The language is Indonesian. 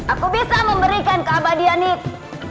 aku bisa memberikan keabadian nik